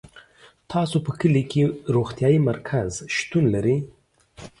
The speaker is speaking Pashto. تاسو په کلي کي روغتيايي مرکز شتون لری